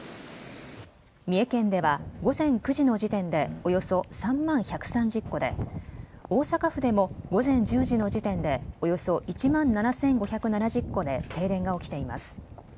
三重県では午前９時の時点でおよそ３万１３０戸で、大阪府でも午前１０時の時点でおよそ１万７５７０戸で停電が起きています。